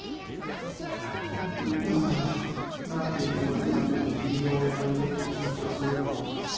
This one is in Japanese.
ああなんでいつまで経っても義理の親の家って緊張するんだろ？